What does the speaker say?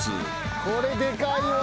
これでかいわ。